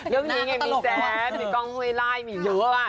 อ๋อเรื่องนี้ไงมีแซ่บมีกล้องเฮ้ยไลน์มีเยอะอ่ะ